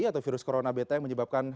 atau virus corona beta yang menyebabkan